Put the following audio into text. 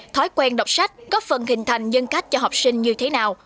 thói quen đọc sách có phần hình thành nhân cách cho học sinh như thế nào